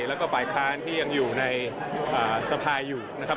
แล้วก็ฝ่ายค้านที่ยังอยู่ในสภาอยู่นะครับ